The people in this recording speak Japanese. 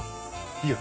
いいよ